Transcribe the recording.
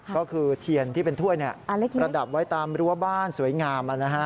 ก็คือเทียนที่เป็นถ้วยระดับไว้ตามรั้วบ้านสวยงาม